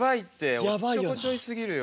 おっちょこちょいすぎるよ。